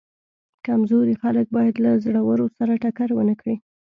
کمزوري خلک باید له زورورو سره ټکر ونه کړي.